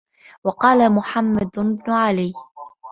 وَقَالَ مُحَمَّدُ بْنُ عَلِيٍّ